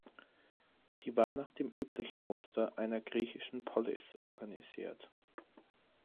Sie war nach dem üblichen Muster einer griechischen Polis organisiert.